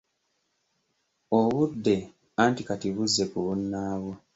Obudde anti kati buzze ku bunnaabwo.